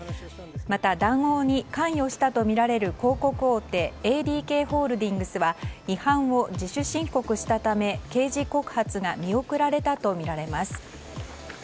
また、談合に関与したとみられる広告大手ＡＤＫホールディングスは違反を自主申告したため刑事告発が見送られたとみられます。